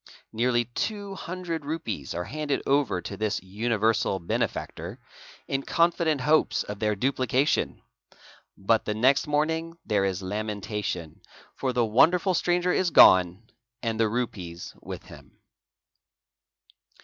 Nearly two hundred rupees Lei AIBA A FATWA IMB 8A ES AR Pd OAR 1 A AN are handed over to this universal benefactor, in confident hopes of their f duplication ; but the next morning there is lamentation, for the wonder ' ful stranger 1s gone, and the rupees with him."